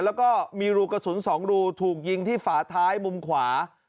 แล้วก็มีรูกระสุน๒รูถูกยิงที่ฝาท้ายมุมขวา